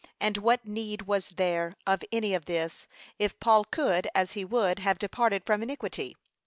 And what need was there of any of this, if Paul could, as he would, have departed from iniquity?